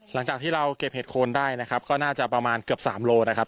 หลังจากที่เราเก็บเห็ดโคนได้นะครับก็น่าจะประมาณเกือบ๓โลนะครับ